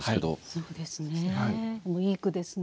そうですね。